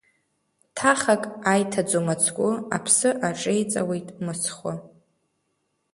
Ҭахак аиҭаӡом ацгәы, аԥсы аҿеиҵауеит мыцхәы.